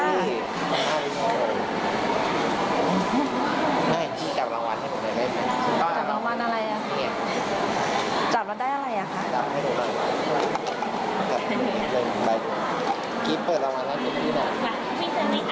ข้างนะคะที่จับรางวัลอะไรอ่ะ